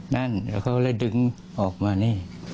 นั่นแล้วเขาเลยดึงออกมานี่